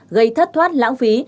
gây thất thoát lãng phí